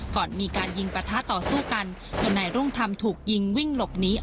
ก่อนมีการยิงปะท้าต่อสู้กันเหมือนในร่วมทำถูกยิงวิ่งหลบหนี